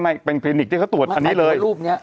ไม่เป็นคลินิกที่เขาตรวจอันเนี้ยเลย